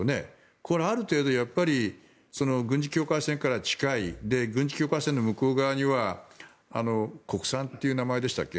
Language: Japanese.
これ、ある程度軍事境界線から近いで、軍事境界線の向こう側には国産という名前でしたっけ。